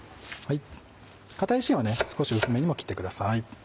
かたい芯はね少し薄めにも切ってください。